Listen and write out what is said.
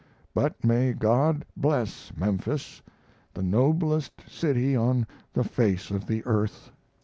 But may God bless Memphis, the noblest city on the face of the earth.